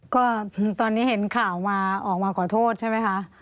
ก็ตอนนี้เห็นข่าวมาออกมาขอโทษใช่ไหมคะ